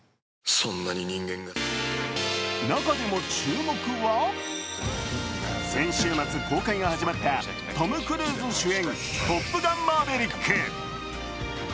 中でも注目は先週末、公開が始まったトム・クルーズ主演「トップガンマーヴェリック」。